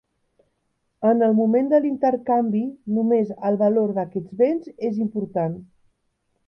En el moment de l'intercanvi, només el valor d'aquests béns és important.